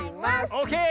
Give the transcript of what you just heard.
オーケー！